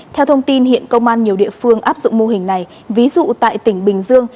theo thông tin hiện công an nhiều địa phương áp dụng mô hình này ví dụ tại tỉnh bình dương